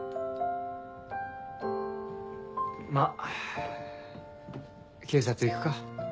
まぁ警察行くか。